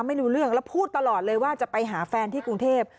ไม่รู้เรื่องแล้วพูดตลอดเลยว่าจะไปหาแฟนที่กรุงเทพ